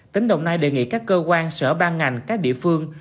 tỉnh đồng nai đề nghị các cơ quan sở ban ngành các địa phương